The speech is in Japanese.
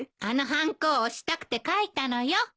あのはんこを押したくて書いたのよ。